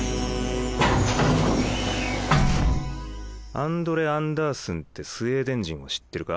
アンドレ・アンダースンってスウェーデン人を知ってるか？